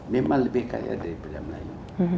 memang lebih kaya daripada melayu